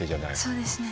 そうですね。